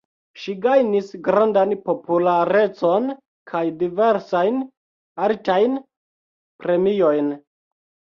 Ŝi gajnis grandan popularecon kaj diversajn altajn premiojn.